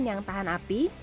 yang tahan api